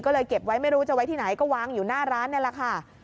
ก็เลยเก็บไว้ไม่รู้จะไว้ที่ไหนก็วางอยู่หน้าร้านนี่แหละค่ะ